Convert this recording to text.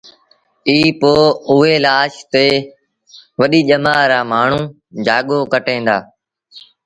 ائيٚݩ پو اُئي لآش تي وڏيٚ ڄمآر رآ مآڻهوٚٚݩجآڳو ڪٽين دآ